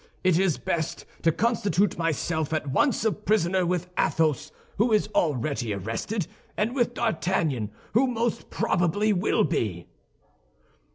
It is best to constitute myself at once a prisoner with Athos, who is already arrested, and with D'Artagnan, who most probably will be."